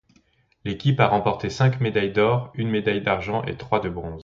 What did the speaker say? L'équipe a remporté cinq médailles d’or, une médaille d’argent et trois de bronze.